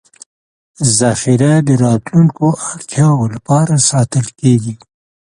ذخیره د راتلونکو اړتیاوو لپاره ساتل کېږي.